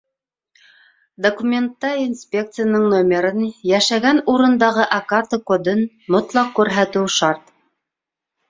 Документта инспекцияның номерын, йәшәгән урындағы ОКАТО кодын мотлаҡ күрһәтеү шарт.